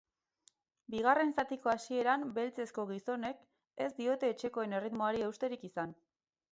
Bigarren zatiko hasieran beltzezko gizonek ez diote etxekoen erritmoari eusterik izan.